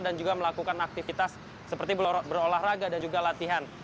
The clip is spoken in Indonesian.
dan juga melakukan aktivitas seperti berolahraga dan juga latihan